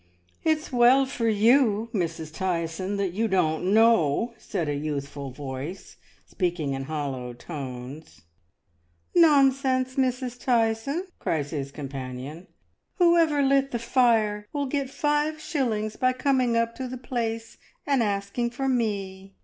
"It's well for you, Mrs. Tyson, that you don't know," said a youthful voice, speaking in hollow tones. "Nonsense, Mrs. Tyson," cries his companion. "Whoever lit the fire will get five shillings by com ing up to the Place and asking for me.